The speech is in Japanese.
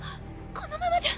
このままじゃ！